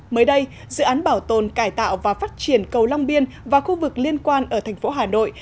mới đây dự án bảo tồn cải tạo và phát triển cầu long biên và khu vực liên quan ở thành phố hà nội